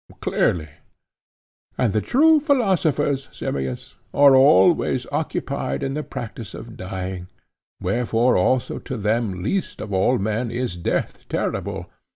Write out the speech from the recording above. Clearly. And the true philosophers, Simmias, are always occupied in the practice of dying, wherefore also to them least of all men is death terrible.